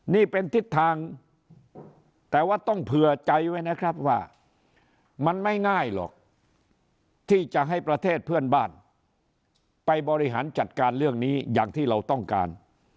นี่เป็นทิศทางแต่ว่าต้องเผื่อใจไว้นะครับว่ามันไม่ง่ายหรอกที่จะให้ประเทศเพื่อนบ้านไปบริหารจัดการเรื่องนี้อย่างที่เราต้องการ